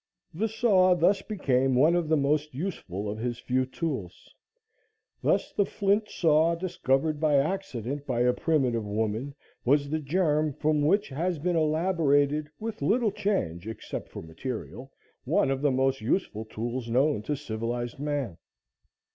The saw thus became one of the most useful of his few tools. Thus the flint saw, discovered by accident by a primitive woman, was the germ from which has been elaborated, with little change except for material, one of the most useful tools known to civilized man.